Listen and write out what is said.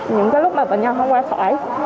những cái lúc mà bệnh nhân không qua khỏi